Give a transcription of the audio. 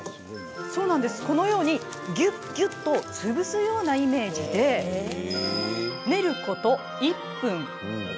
このように、ギュッギュッと潰すようなイメージで練ること１分。